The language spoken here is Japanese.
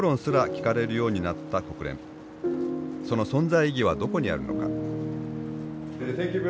その存在意義はどこにあるのか。